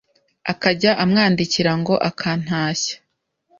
akajya amwandikira ngo akantashya